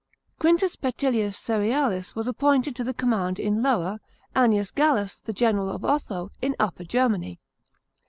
Q Petillius Cerealis was appointed to the command in Lower, Annius Gall us, the general of Ottio, in Upper Germany.